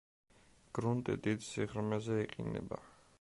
გრუნტი დიდ სიღრმეზე იყინება.